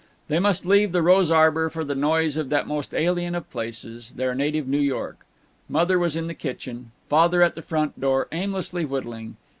They must leave the rose arbor for the noise of that most alien of places, their native New York. Mother was in the kitchen; Father at the front door, aimlessly whittling.